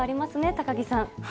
高木さん。